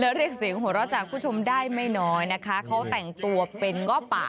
และเรียกเสียงหัวเราะจากผู้ชมได้ไม่น้อยนะคะเขาแต่งตัวเป็นง้อป่า